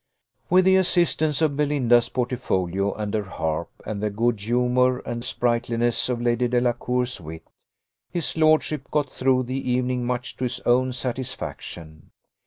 With the assistance of Belinda's portfolio and her harp, and the good humour and sprightliness of Lady Delacour's wit, his lordship got through the evening much to his own satisfaction.